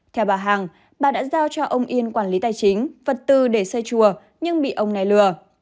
theo bà hằng bà đã giao cho ông yên quản lý tài chính vật tư để xây chùa nhưng bị ông này lừa